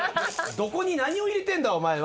どこに何を入れてんだお前よ。